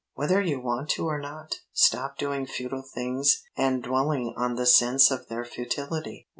whether you want to or not. Stop doing futile things and dwelling on the sense of their futility.